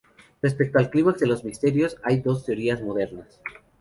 Respecto al clímax de los misterios, hay dos teorías modernas.